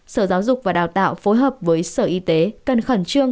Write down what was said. sở giáo dục và đào tạo phối hợp với sở y tế cần khẩn trương